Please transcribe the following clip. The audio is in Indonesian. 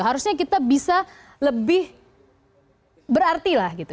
harusnya kita bisa lebih berarti lah gitu